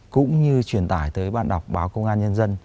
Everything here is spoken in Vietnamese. cũng như truyền tải tới bạn đọc báo công an nhân dân